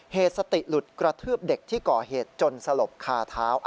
เหตุสติหลุดกระทืบเด็กที่ก่อเหตุจนสลบคาเท้า